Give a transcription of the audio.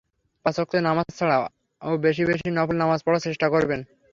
পাঁচ ওয়াক্ত নামাজ ছাড়াও বেশি বেশি নফল নামাজ পড়ার চেষ্টা করবেন।